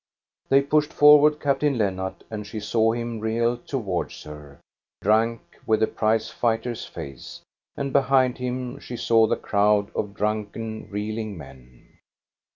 They pushed forward Captain Lennart, and she saw him reel towards her, drunk, with a prize fighter's face; and behind him she saw the crowd of drunken, reeling men.